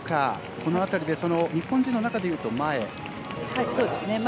この辺りで日本人の中でいうと前。